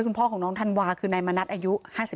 คุณพ่อของน้องธันวาคือนายมณัฐอายุ๕๓